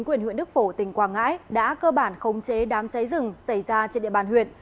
quyền huyện đức phổ tỉnh quảng ngãi đã cơ bản khống chế đám cháy rừng xảy ra trên địa bàn huyện